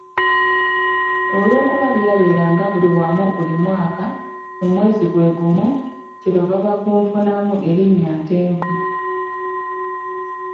Olwokuba byabeeranga buli wamu buli mwaka, mu mwezi gwe gumu, kyebaava bagunfunamu erinnya Ntenvu.